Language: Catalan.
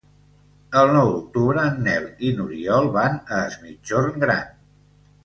El nou d'octubre en Nel i n'Oriol van a Es Migjorn Gran.